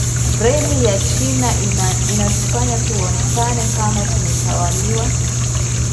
Reli ya wachina inatufanya tunaonekana kama tumetawaliwa